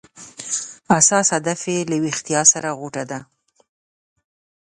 اساس هدف یې له ویښتیا سره غوټه ده.